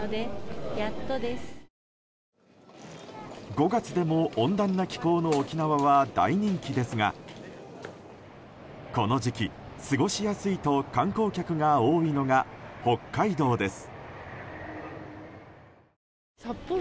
５月でも温暖な気候の沖縄は大人気ですがこの時期、過ごしやすいと観光客が多いのが北海道です。